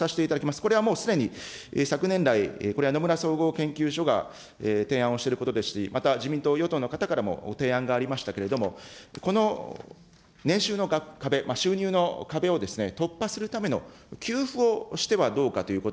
これはもうすでに、昨年来、これは野村総合研究所が提案をしていることですし、自民党・与党の方からも提案がありましたけれども、この年収の壁、収入の壁を突破するための給付をしてはどうかということ。